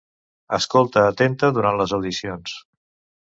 Escolta atenta durant les audicions.